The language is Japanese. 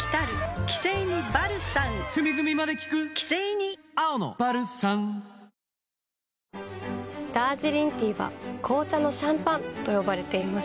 ニトリダージリンティーは紅茶のシャンパンと呼ばれています。